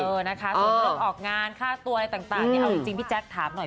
ส่วนมากออกงานค่าตัวอะไรต่างเอาจริงพี่แจ๊กถามหน่อย